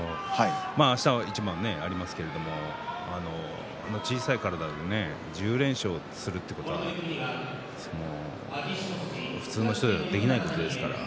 あした、まだ一番ありますけれどあの小さい体で１０連勝するということは普通の人ではできないことですから。